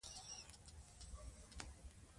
پښتو ژبه به تل زموږ د کلتور نښه وي.